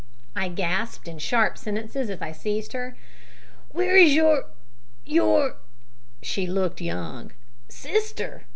I gasped in sharp sentences as I seized her. "Where is your your (she looked young) sister?"